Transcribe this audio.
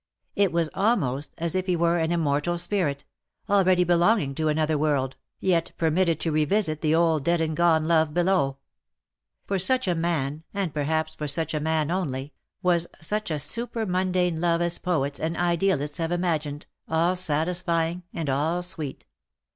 It was almost as if he were an immortal spirit, already belonging to another world, yet permitted 238 " BUT IT SUFFICETH, to revisit the old dead and gone love below. For sucli a man, and perhaps for such a man only, was such a super mundane love as poets and idealists have imagined, all satisfying and all sweet.